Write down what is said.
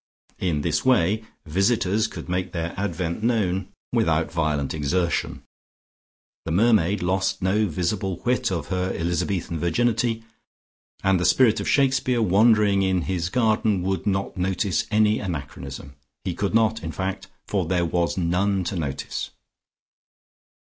In this way visitors could make their advent known without violent exertion, the mermaid lost no visible whit of her Elizabethan virginity, and the spirit of Shakespeare wandering in his garden would not notice any anachronism. He could not in fact, for there was none to notice.